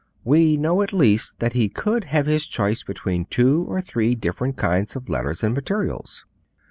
We know at least that he could have his choice between two or three different kinds of letters and materials.